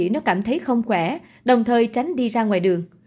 những người đã thấy không khỏe đồng thời tránh đi ra ngoài đường